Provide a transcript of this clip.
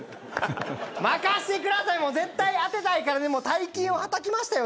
まかしてください絶対に当てたいからね大金をはたきましたよ